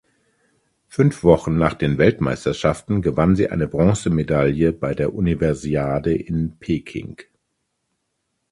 Fünf Wochen nach den Weltmeisterschaften gewann sie eine Bronzemedaille bei der Universiade in Peking.